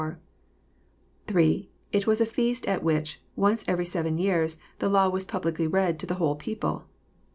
^) It was a feast at which, once everv seven years, the law was publicly read to the whole people.